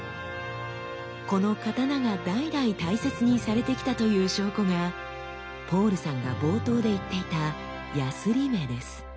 この刀が代々大切にされてきたという証拠がポールさんが冒頭で言っていた「やすり目」です。